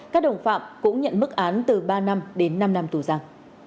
các đồng phạm cũng nhận mức án từ ba năm đến năm năm tù giam